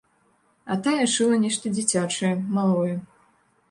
А тая шыла нешта дзіцячае, малое.